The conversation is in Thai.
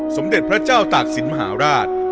สมเด็จพระเจ้าตากศิลปมหาราช